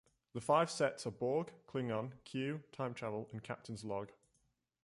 The five sets are Borg, Klingon, Q, Time Travel, and Captain's Log.